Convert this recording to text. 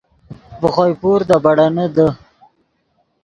ڤے خوئے پور دے بیڑینے دے